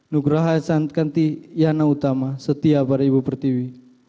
nugraha santi yana utama setia pada ibu pertiwi